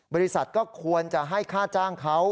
บริษัทก็ควรจะให้ค่าจ้างเขา